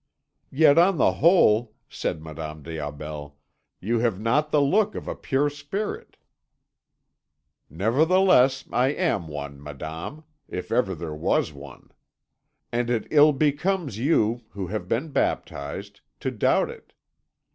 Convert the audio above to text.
"Yet on the whole," said Madame des Aubels, "you have not the look of a pure Spirit." "Nevertheless, I am one, Madame, if ever there was one. And it ill becomes you, who have been baptised, to doubt it.